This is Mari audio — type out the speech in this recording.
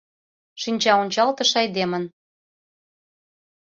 Шинчаончалтыш айдемын.